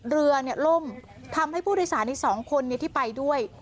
เรือล่มทำให้ผู้โดยสารอีก๒คนที่ไปด้วย